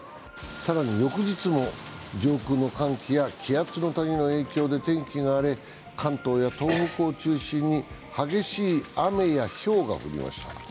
更に翌日も上空の寒気や気圧の谷の影響で天気が荒れ関東や東北を中心に激しい雨やひょうが降りました。